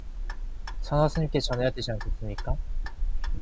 선화 스님께 전해야 되지 않겠습니까?